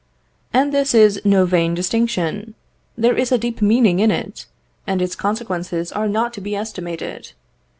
"And this is no vain distinction; there is a deep meaning in it, and its consequences are not to be estimated.